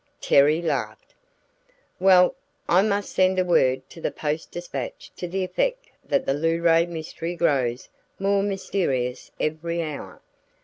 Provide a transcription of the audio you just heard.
Terry laughed. "Well, I must send a word to the Post Dispatch to the effect that the Luray mystery grows more mysterious every hour.